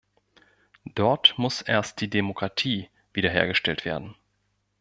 Dort muss erst die Demokratie wiederhergestellt werden.